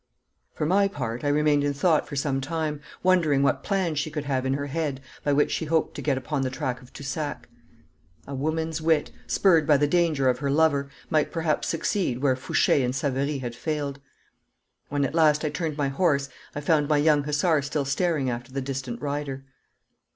For my part I remained in thought for some time, wondering what plan she could have in her head by which she hoped to get upon the track of Toussac. A woman's wit, spurred by the danger of her lover, might perhaps succeed where Fouche and Savary had failed. When at last I turned my horse I found my young hussar still staring after the distant rider.